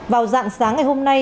vào dạng sáng ngày hôm nay